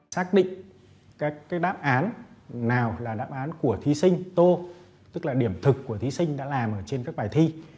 xác định các cái đáp án nào là đáp án của thí sinh tô tức là điểm thực của thí sinh đã làm trên các bài thi